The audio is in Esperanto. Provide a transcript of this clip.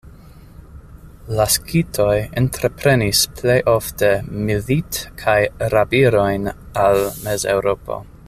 La skitoj entreprenis plej ofte milit- kaj rab-irojn al Mezeŭropo.